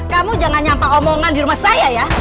kamu jangan sampai omongan di rumah saya ya